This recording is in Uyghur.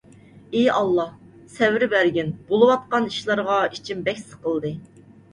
ئى ئاللاھ، سەۋر بەرگىن. بولۇۋاتقان ئىشلارغا ئىچىم بەك سىقىلدى.